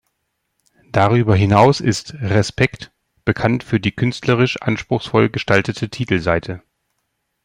Darüber hinaus ist "Respekt" bekannt für die künstlerisch anspruchsvoll gestaltete Titelseite.